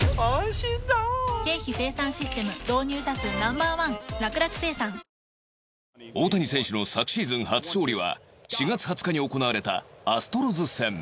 パワーカーブ⁉大谷選手の昨シーズン初勝利は４月２０日に行われたアストロズ戦